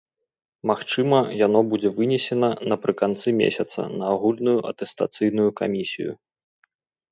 Магчыма, яно будзе вынесена напрыканцы месяца на агульную атэстацыйную камісію.